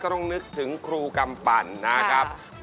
ต้องนึกถึงครูกำปั่นนะครับ